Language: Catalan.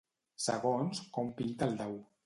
Segons com pinta el dau.